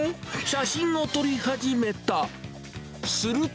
写真を撮り始めた。